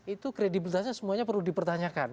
itu kredibilitasnya semuanya perlu dipertanyakan